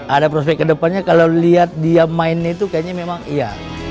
ada prospek ke depannya kalau lihat dia main itu kayaknya memang iya